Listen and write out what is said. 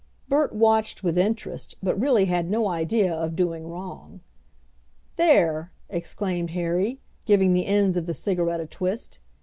Bert watched with interest, but really had no idea of doing wrong. "There!" exclaimed Harry, giving the ends of the cigarette a twist.